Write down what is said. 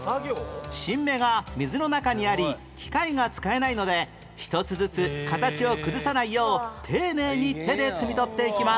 新芽が水の中にあり機械が使えないので一つずつ形を崩さないよう丁寧に手で摘み取っていきます